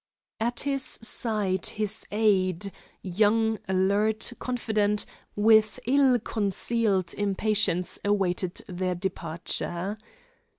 At his side his aide, young, alert, confident, with ill concealed impatience awaited their departure.